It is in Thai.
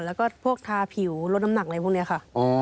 แล้วก็พวกทาผิวลดน้ำหนักอะไรพวกนี้ค่ะ